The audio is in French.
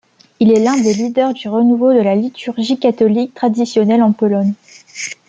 Il est l’un des leaders du renouveau de la liturgie catholique traditionnelle en Pologne.